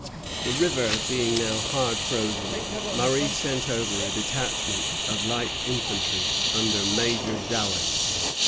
The river being now hard frozen, Murray sent over a detachment of light infantry under Major Dalling.